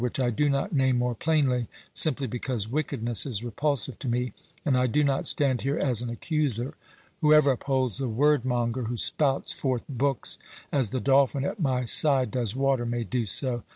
which I do not name more plainly, simply because wickedness is repulsive to me, and I do not stand here as an accuser. Whoever upholds the word monger who spouts forth books as the dolphin at my side does water, may do so.